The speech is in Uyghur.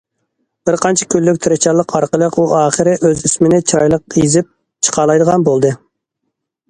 بىر قانچە كۈنلۈك تىرىشچانلىق ئارقىلىق ئۇ ئاخىرى ئۆز ئىسمىنى چىرايلىق يېزىپ چىقالايدىغان بولدى.